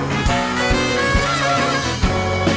สปาเกตตี้ปลาทู